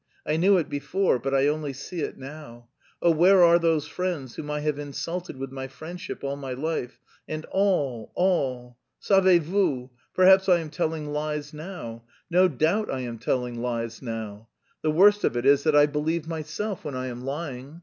I knew it before, but I only see it now.... Oh, where are those friends whom I have insulted with my friendship all my life? And all, all! Savez vous... perhaps I am telling lies now; no doubt I am telling lies now. The worst of it is that I believe myself when I am lying.